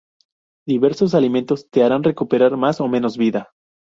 Diversos alimentos te harán recuperar más o menos vida.